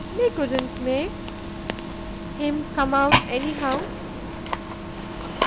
They couldn't make, him come out anyhow.